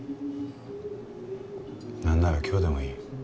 なんなら今日でもいい。